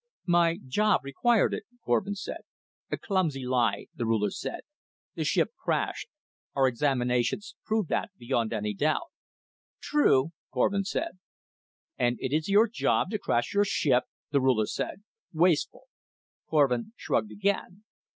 "My job required it," Korvin said. "A clumsy lie," the Ruler said. "The ship crashed; our examinations prove that beyond any doubt." "True," Korvin said. "And it is your job to crash your ship?" the Ruler said. "Wasteful." Korvin shrugged again.